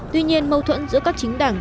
tuy nhiên mâu thuẫn giữa các chính đảng